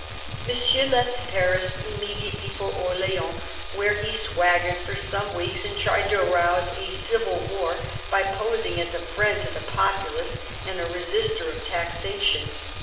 Monsieur left Paris immediately for Orleans, where he swaggered for some weeks and tried to rouse a civil war by posing as a friend to the populace and a resister of taxation.